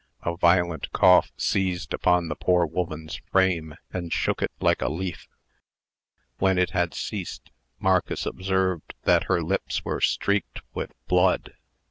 A violent cough seized upon the poor woman's frame, and shook it like a leaf. When it had ceased, Marcus observed that her lips were streaked with blood.